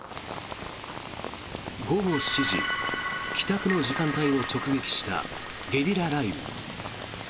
午後７時帰宅の時間帯を直撃したゲリラ雷雨。